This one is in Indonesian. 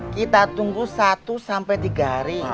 kita tunggu satu sampai tiga hari